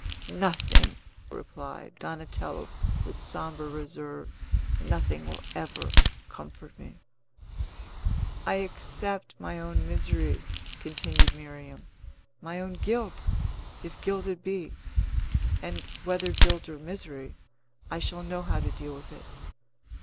"Nothing!" replied Donatello, with sombre reserve. "Nothing will ever comfort me." "I accept my own misery," continued Miriam, "my own guilt, if guilt it be; and, whether guilt or misery, I shall know how to deal with it.